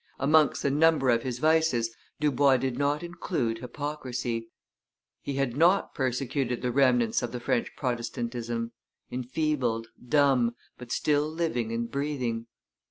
Amongst the number of his vices Dubois did not include hypocrisy; he had not persecuted the remnants of French Protestantism, enfeebled, dumb, but still living and breathing.